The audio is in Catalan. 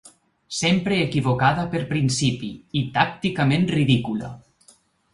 Sempre equivocada per principi, i tàcticament ridícula.